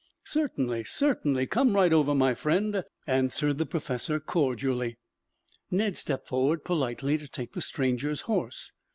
"Certainly, certainly. Come right over, my friend," answered the professor cordially. Ned stepped forward politely to take the stranger's horse.